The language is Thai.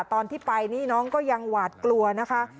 ตอนที่ไปนี่น้องก็ยังหวาดกลัวนะคะ